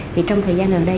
thì trong thời gian gần đây